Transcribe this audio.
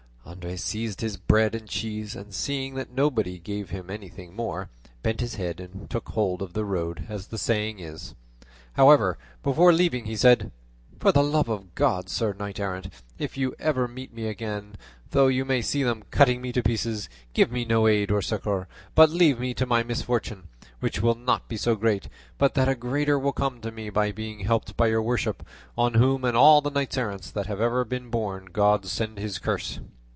Andres seized his bread and cheese, and seeing that nobody gave him anything more, bent his head, and took hold of the road, as the saying is. However, before leaving he said, "For the love of God, sir knight errant, if you ever meet me again, though you may see them cutting me to pieces, give me no aid or succour, but leave me to my misfortune, which will not be so great but that a greater will come to me by being helped by your worship, on whom and all the knights errant that have ever been born God send his curse."